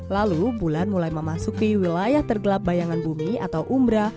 lalu bulan mulai memasuki wilayah tergelap bayangan bumi atau umbra